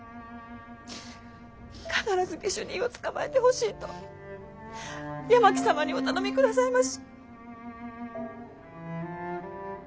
必ず下手人を捕まえてほしいと八巻様にお頼みくださいまし。